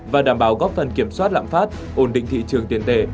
và đảm bảo góp phần kiểm soát lạm phát ổn định thị trường tiền tệ